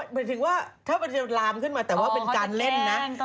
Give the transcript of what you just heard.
หมายถึงว่าถ้ามันจะลามขึ้นมาแต่ว่าเป็นการเล่นนะ